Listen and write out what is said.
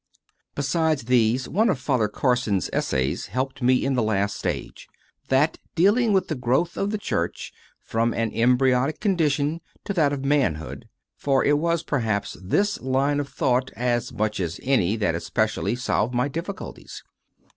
Besides these, one of Father Carson s essays helped me in the last stage that dealing with the growth of the Church from an embryonic condition to that of manhood; for it was, perhaps, this line of thought as much as any that especially solved my difficulties.